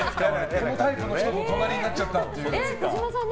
このタイプの人と隣になっちゃったってやつ。